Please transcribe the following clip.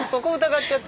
って。